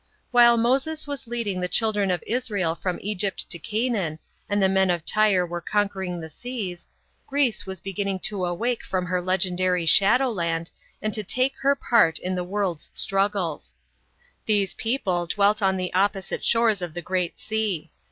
While Moses was leading the* children of Israel from Egypt to Canaan, and the men of Tyre were 54 THE GODS OF GREECE. conquering the seas, Greece was beginning to awake from her legendary shadowland and to take her p^rt in the world's struggles. These people dwelt on the opposite shores of the Great Sea.